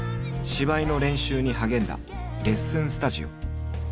芝居の練習に励んだレッスンスタジオ。